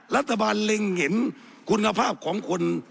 รัฐบาลเล็งเห็นคุณภาพของคน